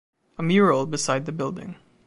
A mural beside the building.